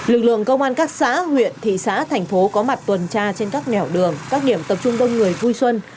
lực lượng công an các xã huyện thị xã thành phố có mặt tuần tra trên các nẻo đường các điểm tập trung đông người vui xuân